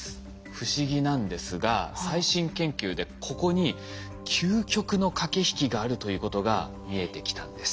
不思議なんですが最新研究でここに究極の駆け引きがあるということが見えてきたんです。